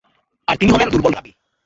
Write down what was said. আর তিনি হলেন দুর্বল রাবী।